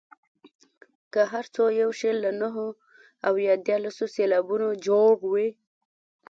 که هر څو یو شعر له نهو او دیارلسو سېلابونو جوړ وي.